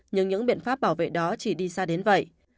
nhưng những biện pháp bảo vệ đó chỉ đi xa đến vậy